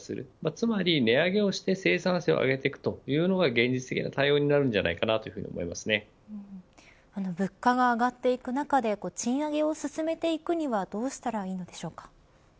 つまり、値上げをして生産性を上げていくというのが現実的な対応に物価が上がっていく中で賃上げを進めていくにはどうしたらいいのでしょうか。